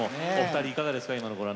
いかがですか。